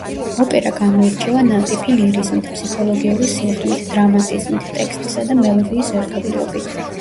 ოპერა გამოირჩევა ნატიფი ლირიზმით, ფსიქოლოგიური სიღრმით, დრამატიზმით, ტექსტისა და მელოდიის ერთობლიობით.